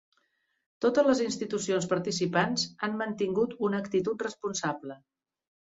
Totes les institucions participants han mantingut una actitud responsable.